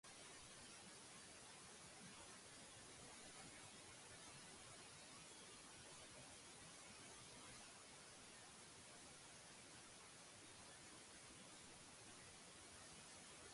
The Union was associated with the Welsh group, "Heddwchwyr Cymru", founded by Gwynfor Evans.